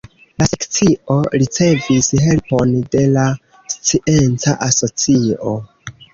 La Sekcio ricevis helpon de la Scienca Asocio.